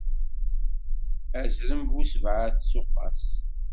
Azrem bu sebɛa tsuqqas.